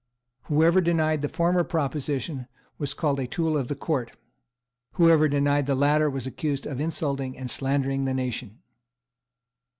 Whoever denied the former proposition was called a tool of the Court. Whoever denied the latter was accused of insulting and slandering the nation.